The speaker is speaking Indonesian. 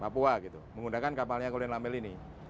papua gitu menggunakan kapalnya kolin lamel ini